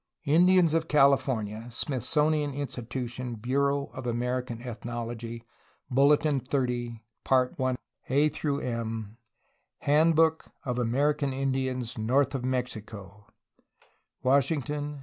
Indians of California. Smith sonian institution, Bureau of American ethnology, Bulletin 30, part 1, A M, Handbook of American Indians north of Mexico (Washington.